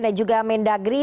dan juga mendagri